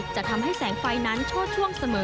จะทำให้แสงไฟนั้นช่อช่วงเสมอ